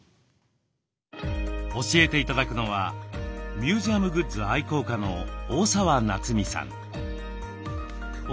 教えて頂くのは「ミュージアムグッズ愛好家」の大澤夏美さん。